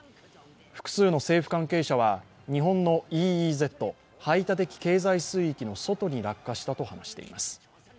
複数の政府関係者は、日本のＥＥＺ＝排他的経済水域の外に落下したと話しています。